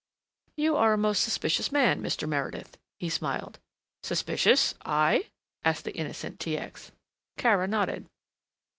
"You are a most suspicious man, Mr. Meredith," he smiled. "Suspicious! I?" asked the innocent T. X. Kara nodded.